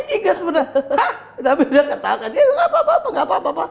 ingat bener hah sambil dia ketahukan dia gak apa apa